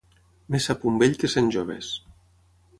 Més sap un vell que cent joves.